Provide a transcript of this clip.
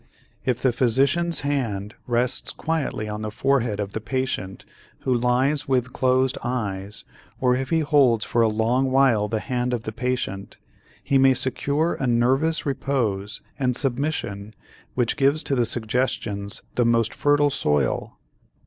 If the physician's hand rests quietly on the forehead of the patient who lies with closed eyes, or if he holds for a long while the hand of the patient, he may secure a nervous repose and submission which gives to the suggestions the most fertile soil.